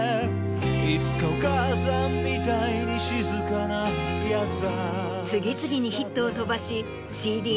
いつかお母さんみたいに静かな次々にヒットを飛ばし。